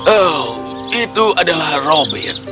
oh itu adalah robin